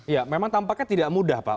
ya memang tampaknya tidak mudah pak